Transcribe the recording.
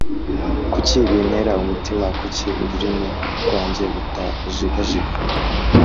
kuki bintera umutima, kuki ururimi rwanjye rutajegajega?